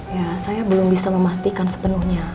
ya saya belum bisa memastikan sepenuhnya